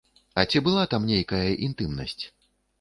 А ці была там нейкая інтымнасць?